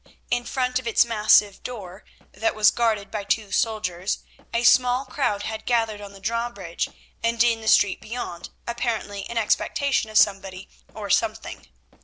In front of its massive door, that was guarded by two soldiers, a small crowd had gathered on the drawbridge and in the street beyond, apparently in expectation of somebody or something.